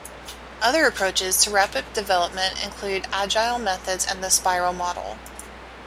Other approaches to rapid development include Agile methods and the spiral model.